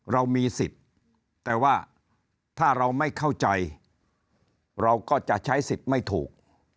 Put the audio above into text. เรามีสิทธิ์แต่ว่าถ้าเราไม่เข้าใจเราก็จะใช้สิทธิ์ไม่ถูก